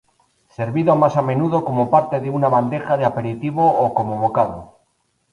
Servido más a menudo como parte de una bandeja de aperitivo o como bocado.